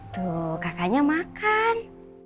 duh kakaknya makan